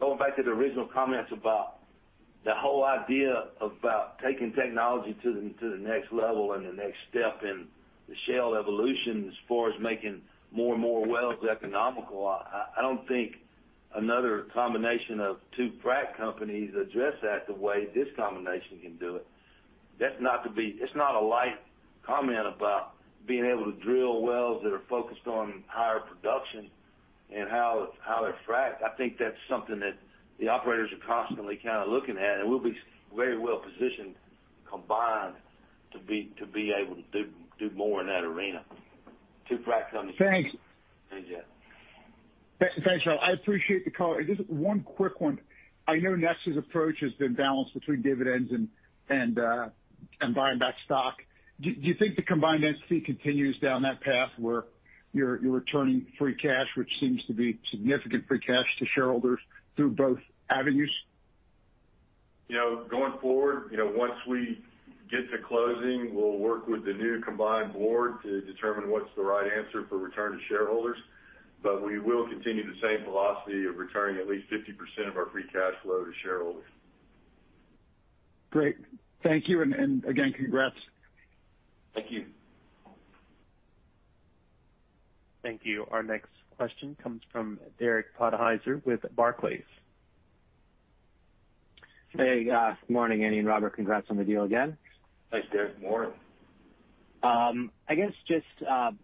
going back to the original comments about the whole idea about taking technology to the next level and the next step in the shale evolution as far as making more and more wells economical, I don't think another combination of two frac companies address that the way this combination can do it. That's not to be. It's not a light comment about being able to drill wells that are focused on higher production and how they're fracked. I think that's something that the operators are constantly kind of looking at, and we'll be very well positioned combined to be able to do more in that arena. Two frac companies. Thanks. Thanks, yeah. Thanks, y'all. I appreciate the call. Just one quick one. I know NexTier's approach has been balanced between dividends and buying back stock. Do you think the combined entity continues down that path where you're returning free cash, which seems to be significant free cash, to shareholders through both avenues? You know, going forward, you know, once we get to closing, we'll work with the new combined board to determine what's the right answer for return to shareholders. We will continue the same velocity of returning at least 50% of our free cash flow to shareholders. Great. Thank you, and again, congrats. Thank you. Thank you. Our next question comes from Derek Podhaizer with Barclays. Hey, Good morning, Andy and Robert. Congrats on the deal again. [crosstalk] Thanks, Derek. Good morning. I guess just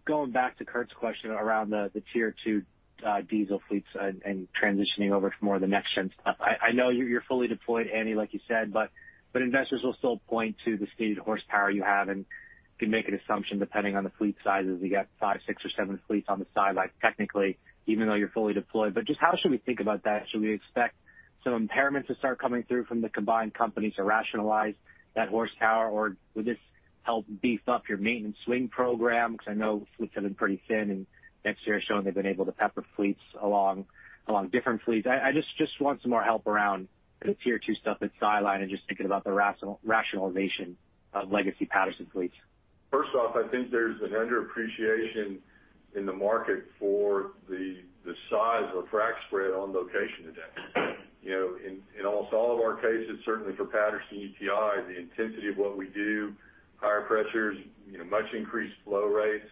going back to Kurt's question around the Tier 2 diesel fleets and transitioning over to more of the next-gen stuff. I know you're fully deployed, Andy, like you said, but investors will still point to the stated horsepower you have and can make an assumption depending on the fleet sizes. You got five, six, or seven fleets on the sideline, technically, even though you're fully deployed. Just how should we think about that? Should we expect some impairments to start coming through from the combined companies to rationalize that horsepower, or would this help beef up your maintenance swing program? 'Cause I know fleets have been pretty thin, and NexTier's showing they've been able to pepper fleets along different fleets. I just want some more help around the Tier 2 stuff that's sidelined and just thinking about the rationalization of legacy Patterson fleets. First off, I think there's an underappreciation in the market for the size of frac spread on location today. You know, in almost all of our cases, certainly for Patterson-UTI, the intensity of what we do, higher pressures, you know, much increased flow rates,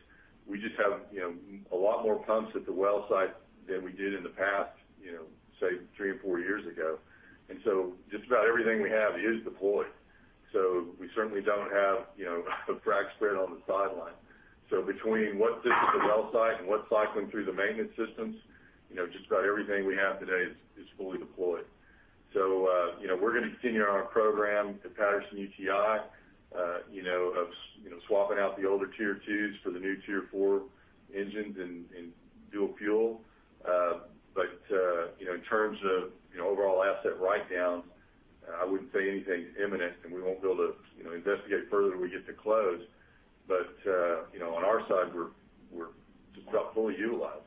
we just have, you know, a lot more pumps at the well site than we did in the past, you know, say, three or four years ago. Just about everything we have is deployed. We certainly don't have, you know, a frac spread on the sideline. Between what sits at the well site and what's cycling through the maintenance systems, you know, just about everything we have today is fully deployed. you know, we're gonna continue on our program at Patterson-UTI, you know, swapping out the older Tier 2s for the new Tier 4 engines and dual-fuel. you know, in terms of, you know, overall asset write-down, I wouldn't say anything's imminent, and we won't be able to, you know, investigate further till we get to close. you know, on our side, we're just about fully utilized.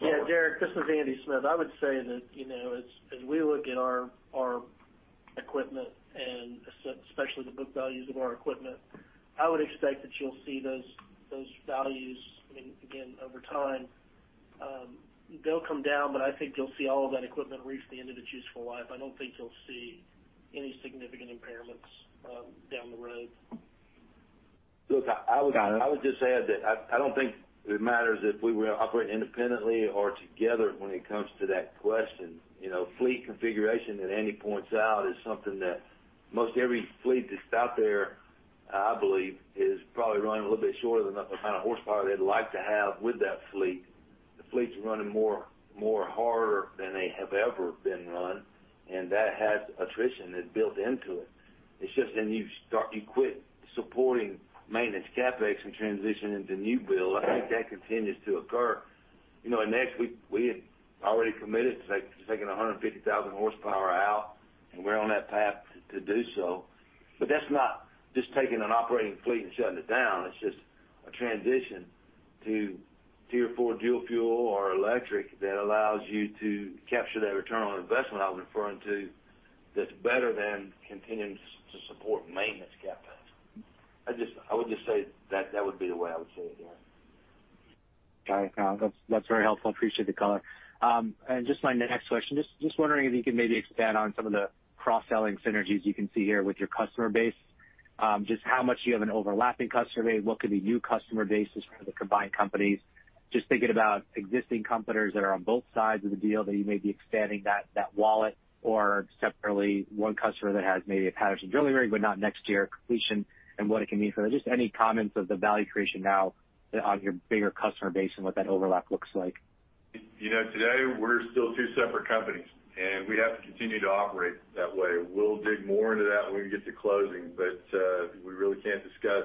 Yeah, Derek, this is Andy Smith. I would say that, you know, as we look at our equipment and especially the book values of our equipment, I would expect that you'll see those values, I mean, again, over time, they'll come down, but I think you'll see all of that equipment reach the end of its useful life. I don't think you'll see any significant impairments down the road. Got it. I don't think it matters if we were operating independently or together when it comes to that question. You know, fleet configuration, that Andy points out, is something that most every fleet that's out there, I believe, is probably running a little bit shorter than the kind of horsepower they'd like to have with that fleet. The fleet's running more harder than they have ever been run, and that has attrition that's built into it. It's just then you quit supporting maintenance CapEx and transition into new build, I think that continues to occur. You know, at NexTier, we had already committed to taking 150,000 horsepower out, and we're on that path to do so. That's not just taking an operating fleet and shutting it down, it's just a transition to Tier 4 dual-fuel or electric that allows you to capture that return on investment I was referring to, that's better than continuing to support maintenance CapEx. I would just say that that would be the way I would say it, yeah. Got it. No, that's very helpful. Appreciate the color. Just my next question, just wondering if you could maybe expand on some of the cross-selling synergies you can see here with your customer base. Just how much you have an overlapping customer base? What could be new customer bases for the combined companies? Just thinking about existing competitors that are on both sides of the deal, that you may be expanding that wallet, or separately, one customer that has maybe a Patterson drilling rig, but not NexTier completion and what it can mean for them. Just any comments of the value creation now on your bigger customer base and what that overlap looks like? You know, today, we're still two separate companies, and we have to continue to operate that way. We'll dig more into that when we get to closing, but we really can't discuss,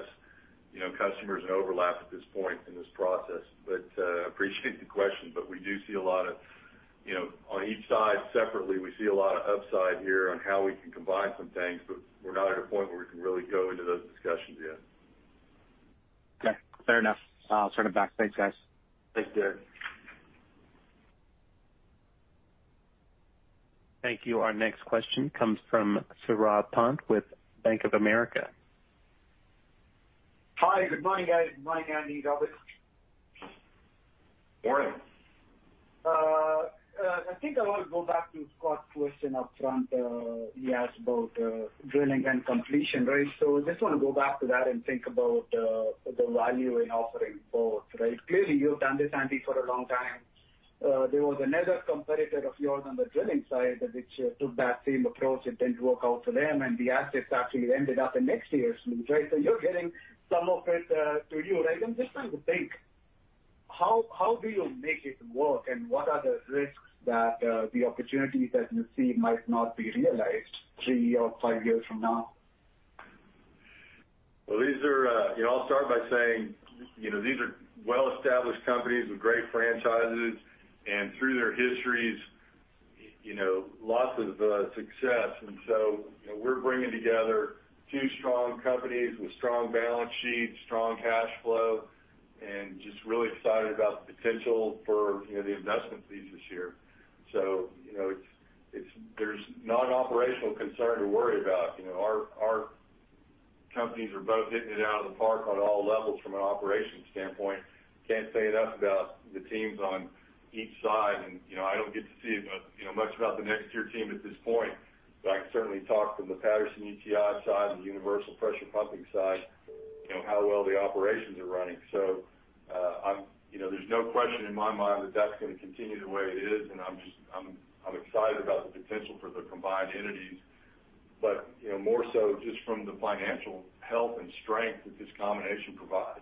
you know, customers and overlap at this point in this process. But appreciate the question. We do see a lot of, you know, on each side separately, we see a lot of upside here on how we can combine some things, but we're not at a point where we can really go into those discussions yet. Okay, fair enough. I'll turn it back. Thanks, guys. Thanks, Derek. Thank you. Our next question comes from Saurabh Pant with Bank of America. Hi, good morning, guys. Good morning, Andy, Robert. Morning. I think I want to go back to Scott's question up front. He asked about drilling and completion, right? Just want to go back to that and think about the value in offering both, right? Clearly, you've done this, Andy, for a long time. There was another competitor of yours on the drilling side, which took that same approach. It didn't work out for them, and the assets actually ended up in NexTier's, right? You're getting some of it to you, right? I'm just trying to think, how do you make it work, and what are the risks that the opportunities that you see might not be realized three or five years from now? Well, these are, you know, I'll start by saying, you know, these are well-established companies with great franchises, and through their histories, you know, lots of success. You know, we're bringing together two strong companies with strong balance sheets, strong cash flow, and just really excited about the potential for, you know, the investment thesis here. You know, it's there's not an operational concern to worry about. You know, our companies are both hitting it out of the park on all levels from an operations standpoint. Can't say enough about the teams on each side, and, you know, I don't get to see, you know, much about the NexTier team at this point, but I can certainly talk from the Patterson-UTI side, the Universal Pressure Pumping side, you know, how well the operations are running. You know, there's no question in my mind that that's gonna continue the way it is, and I'm just excited about the potential for the combined entities, but, you know, more so just from the financial health and strength that this combination provides.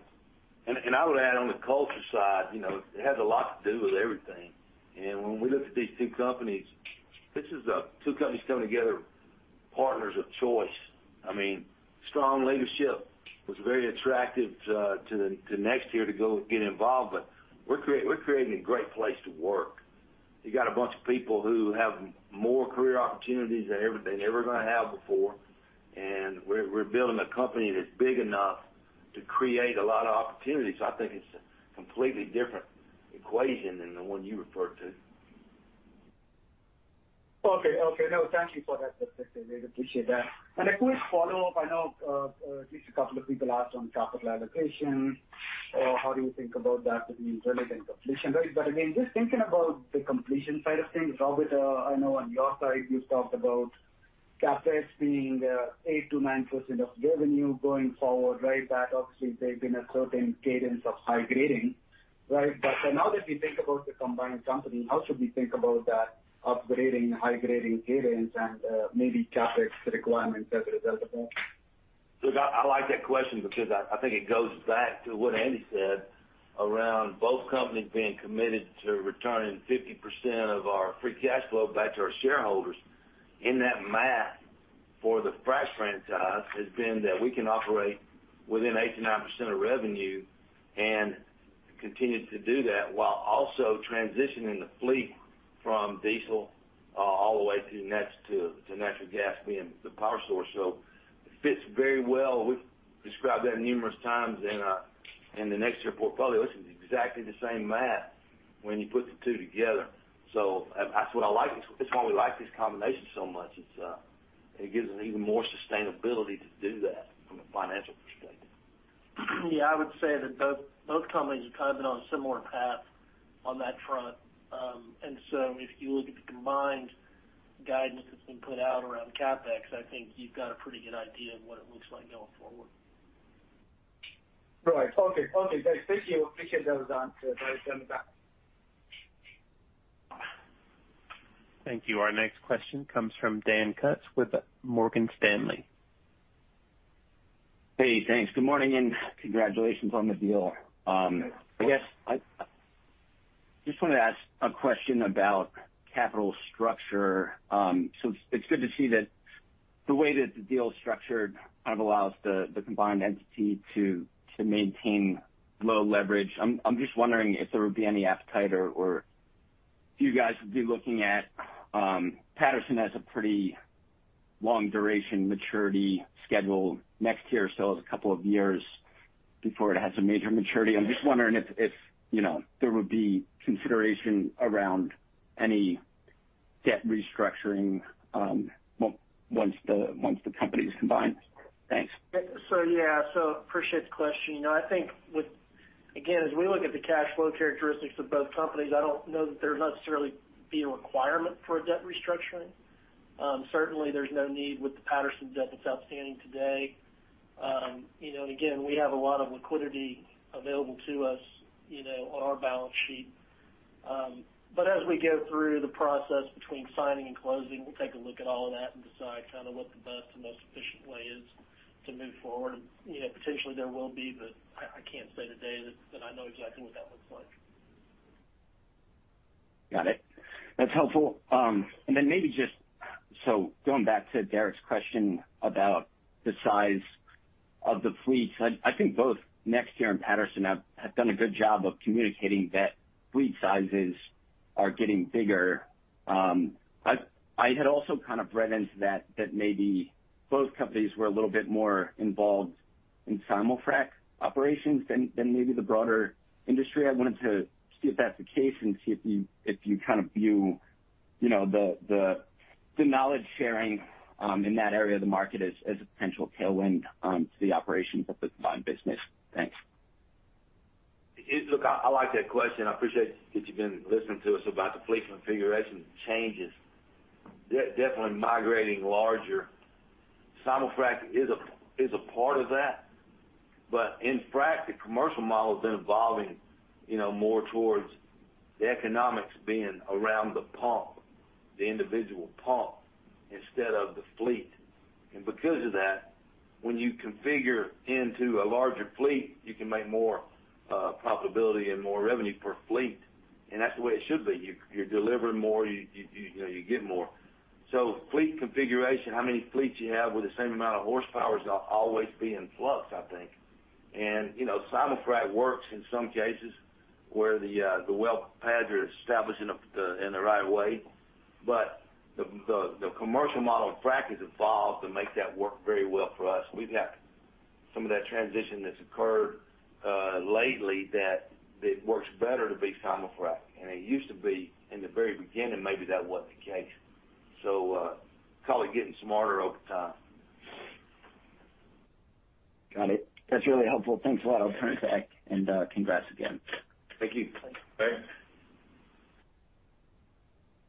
I would add on the culture side, you know, it has a lot to do with everything. When we look at these two companies, this is two companies coming together, partners of choice. I mean, strong leadership was very attractive to NexTier to go get involved, we're creating a great place to work. You got a bunch of people who have more career opportunities than they ever gonna have before, and we're building a company that's big enough to create a lot of opportunities. I think it's a completely different equation than the one you referred to. Okay. Okay. No, thank you for that perspective. Really appreciate that. A quick follow-up. I know, just a couple of people asked on capital allocation, or how do you think about that with the drilling and completion? Again, just thinking about the completion side of things, Robert, I know on your side, you talked about CapEx being, 8%-9% of revenue going forward, right? That obviously, there's been a certain cadence of high grading, right? Now that we think about the combined company, how should we think about that upgrading, high grading cadence and maybe CapEx requirements as a result of that? I like that question because I think it goes back to what Andy said around both companies being committed to returning 50% of our free cash flow back to our shareholders. In that math for the frac franchise has been that we can operate within 8%-9% of revenue and continue to do that while also transitioning the fleet from diesel, all the way to natural gas being the power source. It fits very well. We've described that numerous times in the NexTier portfolio. This is exactly the same math when you put the two together. That's what I like. It's why we like this combination so much. It gives us even more sustainability to do that from a financial perspective. Yeah, I would say that both companies have kind of been on a similar path on that front. If you look at the combined guidance that's been put out around CapEx, I think you've got a pretty good idea of what it looks like going forward. Okay. Okay, guys. Thank you. Appreciate those answers. Thank you. Our next question comes from Dan Kutz with Morgan Stanley. Hey, thanks. Good morning. Congratulations on the deal. I guess I just wanted to ask a question about capital structure. It's good to see that the way that the deal is structured kind of allows the combined entity to maintain low leverage. I'm just wondering if there would be any appetite or if you guys would be looking at, Patterson has a pretty long duration maturity schedule. NexTier still has a couple of years before it has a major maturity. I'm just wondering if, you know, there would be consideration around any debt restructuring once the company is combined. Thanks. Yeah, so appreciate the question. You know, I think with, again, as we look at the cash flow characteristics of both companies, I don't know that there'd necessarily be a requirement for a debt restructuring. Certainly, there's no need with the Patterson debt that's outstanding today. You know, and again, we have a lot of liquidity available to us, you know, on our balance sheet. But as we go through the process between signing and closing, we'll take a look at all of that and decide kind of what the best and most efficient way is to move forward. You know, potentially there will be, but I can't say today that I know exactly what that looks like. Got it. That's helpful. Maybe just, so going back to Derek's question about the size of the fleets, I think both NexTier and Patterson have done a good job of communicating that fleet sizes are getting bigger. I had also kind of read into that maybe both companies were a little bit more involved in simulfrac operations than maybe the broader industry. I wanted to see if that's the case, and see if you, if you kind of view, you know, the, the knowledge sharing in that area of the market as a potential tailwind to the operations of the combined business. Thanks. Look, I like that question. I appreciate that you've been listening to us about the fleet configuration changes. Definitely migrating larger. simulfrac is a part of that, but in frac, the commercial model has been evolving, you know, more towards the economics being around the pump, the individual pump, instead of the fleet. Because of that, when you configure into a larger fleet, you can make more profitability and more revenue per fleet, and that's the way it should be. You're delivering more, you know, you get more. Fleet configuration, how many fleets you have with the same amount of horsepower, is gonna always be in flux, I think. You know, simulfrac works in some cases where the well pads are established in the right way, but the commercial model of frac has evolved to make that work very well for us. We've had some of that transition that's occurred, lately, that it works better to be simulfrac. It used to be, in the very beginning, maybe that wasn't the case. Call it getting smarter over time. Got it. That's really helpful. Thanks a lot. I'll turn it back, and congrats again. Thank you. Thank you.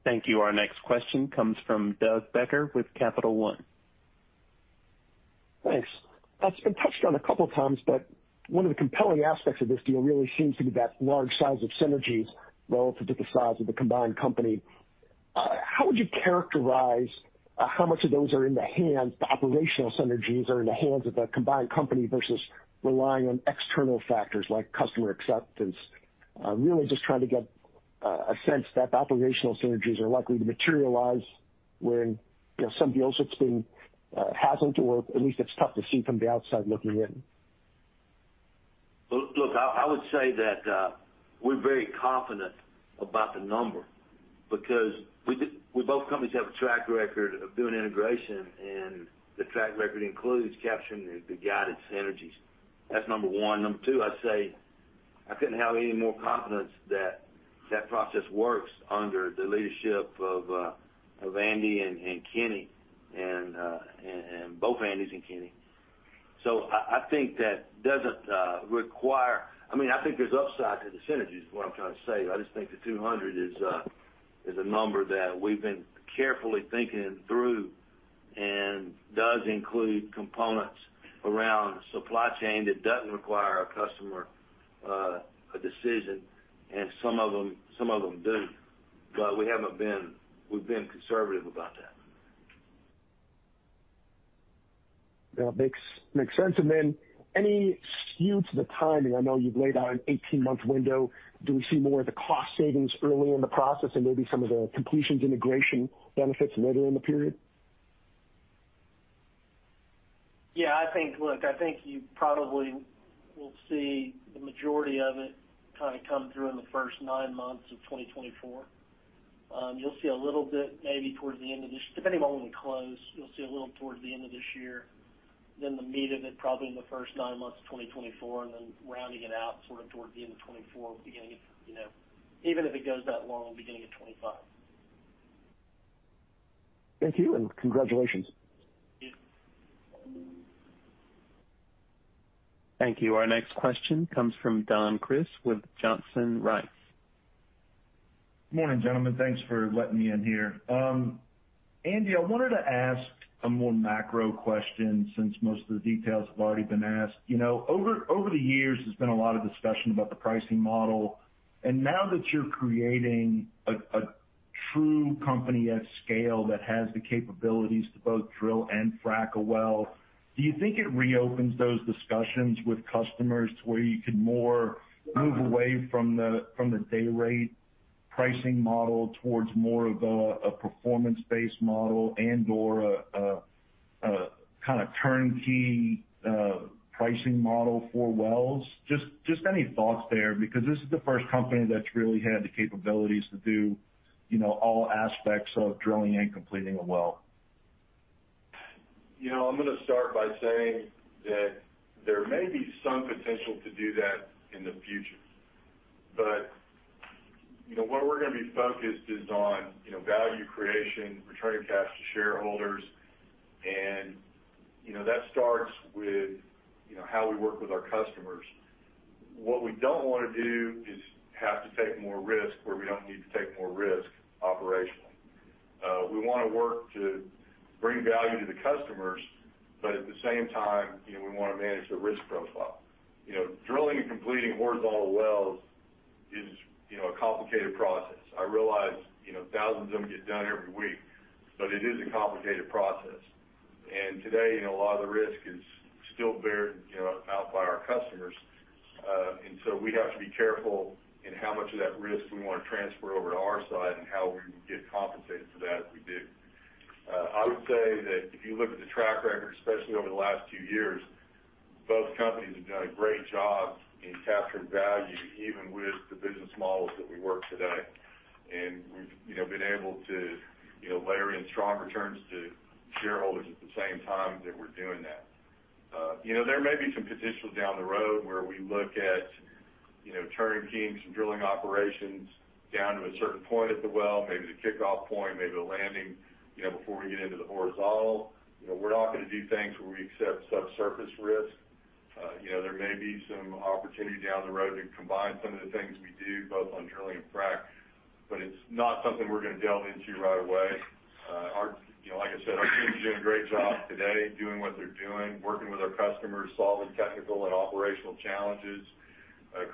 Our next question comes from Doug Becker with Capital One. Thanks. It's been touched on a couple of times, one of the compelling aspects of this deal really seems to be that large size of synergies relative to the size of the combined company. How would you characterize how much of those are in the hands, the operational synergies are in the hands of the combined company versus relying on external factors like customer acceptance? I'm really just trying to get a sense that the operational synergies are likely to materialize, when, you know, some deals it's been hasn't or at least it's tough to see from the outside looking in. Look, I would say that we're very confident about the number because we did both companies have a track record of doing integration, and the track record includes capturing the guided synergies. That's number one. Number two, I'd say I couldn't have any more confidence that that process works under the leadership of Andy and Kenny, and both Andys and Kenny. I think that doesn't require. I mean, I think there's upside to the synergies, is what I'm trying to say. I just think the $200 million is a number that we've been carefully thinking through and does include components around supply chain that doesn't require a customer decision, and some of them do, but we've been conservative about that. That makes sense. Then any skew to the timing? I know you've laid out an 18-month window. Do we see more of the cost savings early in the process and maybe some of the completions integration benefits later in the period? Look, I think you probably will see the majority of it kind of come through in the first nine months of 2024. You'll see a little bit maybe towards the end of this, depending on when we close, you'll see a little towards the end of this year. The meat of it, probably in the first nine months of 2024, and then rounding it out sort of towards the end of 2024, you know, even if it goes that long, beginning of 2025. Thank you, congratulations. Thank you. Our next question comes from Don Crist with Johnson Rice. Morning, gentlemen. Thanks for letting me in here. Andy, I wanted to ask a more macro question, since most of the details have already been asked. You know, over the years, there's been a lot of discussion about the pricing model. Now that you're creating a true company at scale that has the capabilities to both drill and frack a well, do you think it reopens those discussions with customers to where you can more move away from the day rate pricing model towards more of a performance-based model and/or a kind of turnkey pricing model for wells? Just any thoughts there, because this is the first company that's really had the capabilities to do, you know, all aspects of drilling and completing a well. You know, I'm gonna start by saying that there may be some potential to do that in the future, but, you know, what we're gonna be focused is on, you know, value creation, returning cash to shareholders, and, you know, that starts with, you know, how we work with our customers. What we don't want to do is have to take more risk where we don't need to take more risk operationally. We want to work to bring value to the customers, but at the same time, you know, we want to manage the risk profile. You know, drilling and completing horizontal wells is, you know, a complicated process. I realize, you know, thousands of them get done every week, but it is a complicated process. Today, a lot of the risk is still bared, you know, out by our customers. We have to be careful in how much of that risk we want to transfer over to our side and how we get compensated for that if we do. I would say that if you look at the track record, especially over the last two years, both companies have done a great job in capturing value, even with the business models that we work today. We've, you know, been able to, you know, layer in strong returns to shareholders at the same time that we're doing that. You know, there may be some potential down the road where we look at, you know, turning keys and drilling operations down to a certain point at the well, maybe the kickoff point, maybe the landing, you know, before we get into the horizontal. You know, we're not going to do things where we accept subsurface risk. You know, there may be some opportunity down the road to combine some of the things we do, both on drilling and frac, but it's not something we're going to delve into right away. Our, you know, like I said, our teams are doing a great job today, doing what they're doing, working with our customers, solving technical and operational challenges,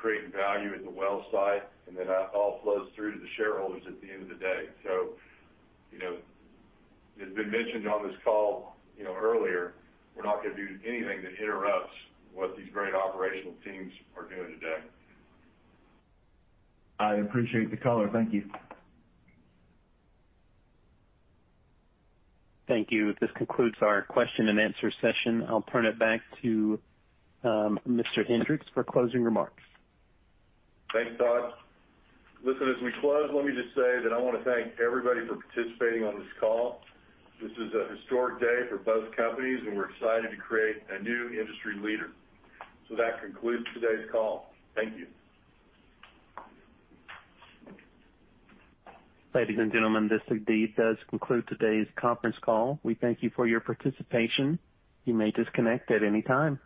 creating value at the well site, and then that all flows through to the shareholders at the end of the day. You know, it's been mentioned on this call, you know, earlier, we're not going to do anything that interrupts what these great operational teams are doing today. I appreciate the color. Thank you. Thank you. This concludes our question and answer session. I'll turn it back to Mr. Hendricks for closing remarks. Thanks, Todd. Listen, as we close, let me just say that I want to thank everybody for participating on this call. This is a historic day for both companies, and we're excited to create a new industry leader. That concludes today's call. Thank you. Ladies and gentlemen, this indeed does conclude today's conference call. We thank you for your participation. You may disconnect at any time.